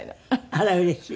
あらうれしい。